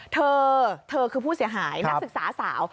เธอเธอคือผู้เสียหายนักศึกษาสาว